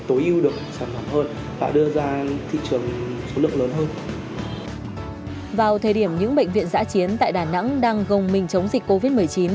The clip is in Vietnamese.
vào thời điểm những bệnh viện giã chiến tại đà nẵng đang gồng mình chống dịch covid một mươi chín